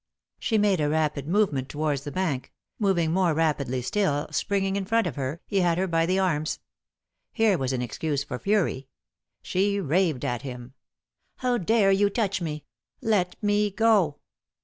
She made a rapid movement towards the bank ; moving more rapidly still, springing in front of her, he had her by the arms. Here was an excuse for fury. She raved at him. " How dare you touch me ? Let me go."